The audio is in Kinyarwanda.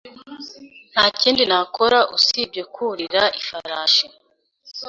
Nta kindi nakoraga usibye kwurira ifarashi.